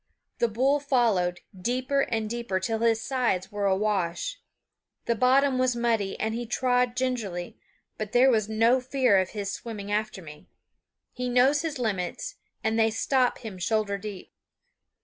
The bull followed, deeper and deeper, till his sides were awash. The bottom was muddy and he trod gingerly; but there was no fear of his swimming after me. He knows his limits, and they stop him shoulder deep.